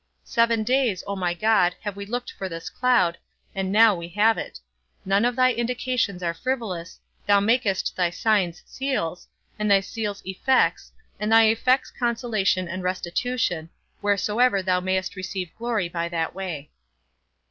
Seven days, O my God, have we looked for this cloud, and now we have it; none of thy indications are frivolous, thou makest thy signs seals, and thy seals effects, and thy effects consolation and restitution, wheresoever thou mayst receive glory by that way.